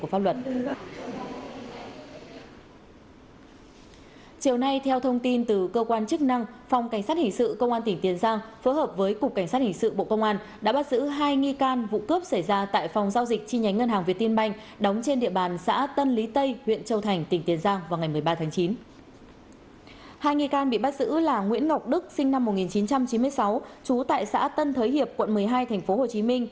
hai nghề can bị bắt giữ là nguyễn ngọc đức sinh năm một nghìn chín trăm chín mươi sáu chú tại xã tân thới hiệp quận một mươi hai tp hcm